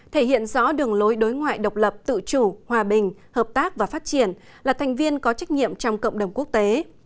thể hiện rõ đường lối đối ngoại độc lập tự chủ hòa bình hợp tác và phát triển là thành viên có trách nhiệm trong cộng đồng quốc tế